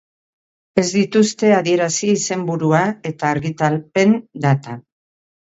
Ez dituzte adierazi izenburua eta argitalpen data.